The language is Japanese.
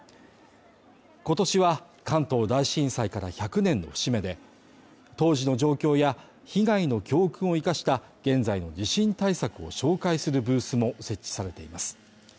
今年は関東大震災から１００年の節目で、当時の状況や被害の教訓を生かした現在の地震対策を紹介するブースも設置されています。